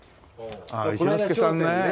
ああ一之輔さんね。